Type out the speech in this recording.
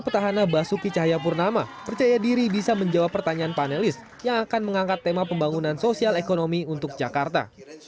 petahana basuki cahayapurnama percaya diri bisa menjawab pertanyaan panelis yang akan mengangkat tema pembangunan sosial ekonomi untuk jakarta